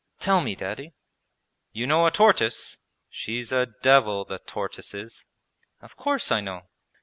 'Tell me, Daddy.' 'You know a tortoise? She's a devil, the tortoise is!' 'Of course I know!'